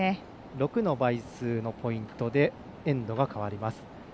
６の倍数のポイントでエンドが変わります。